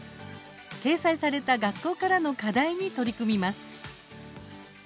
掲載された学校からの課題に取り組みます。